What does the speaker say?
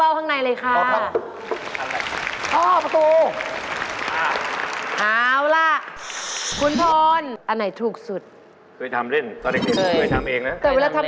เอามาหลอกหรือเปล่า